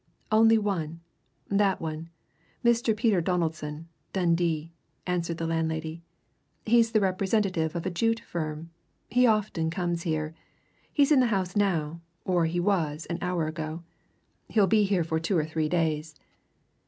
"Only one that one, Mr. Peter Donaldson, Dundee," answered the landlady. "He's the representative of a jute firm he often comes here. He's in the house now, or he was, an hour ago he'll be here for two or three days.